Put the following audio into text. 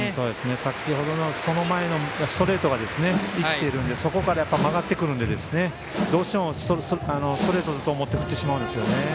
先程のストレートが生きているのでそこから曲がってくるのでどうしてもストレートだと思って振ってしまうんですよね。